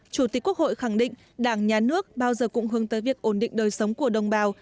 chủ tịch quốc hội khẳng định đảng nhà nước bao giờ cũng hướng tới việc ổn định đời sống của đồng bào